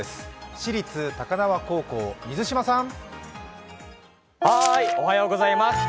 私立高輪高校、水島さん！